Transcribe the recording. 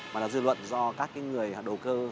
mà là dư luận do các người đầu cơ